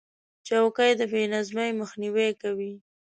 چوکۍ د بې نظمۍ مخنیوی کوي.